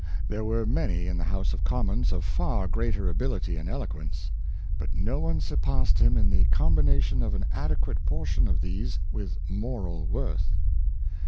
There were many in the House of Commons of far greater ability and eloquence. But no one surpassed him in the combination of an adequate portion of these with moral worth.